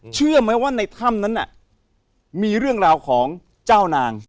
เชื่อไหมว่าในถ้ำนั้นน่ะมีเรื่องราวของเจ้านาง